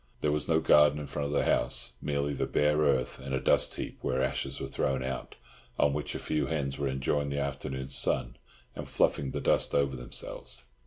There was no garden in front of the house, merely the bare earth and a dust heap where ashes were thrown out, on which a few hens were enjoying the afternoon sun and fluffing the dust over themselves.